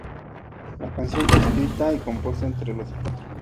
La canción fue escrita y compuesta entre los cuatro.